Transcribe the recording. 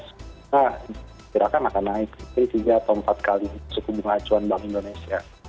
kita kira akan akan naik tiga atau empat kali suku bunga acuan bank indonesia